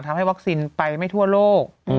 ทำให้วัคซีนไปไม่ทั่วโลก